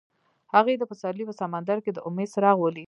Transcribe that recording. هغه د پسرلی په سمندر کې د امید څراغ ولید.